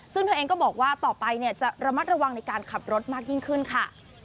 ซึ่งเธอเองก็บอกว่าต่อไปจะระมัดระวังในการขับรถมากยิ่งขึ้นค่ะ